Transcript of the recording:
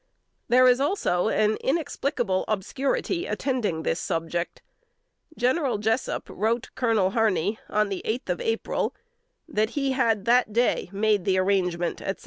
There is also an inexplicable obscurity attending this subject. General Jessup wrote Colonel Harney, on the eighth of April, that he had that day made the arrangement, etc.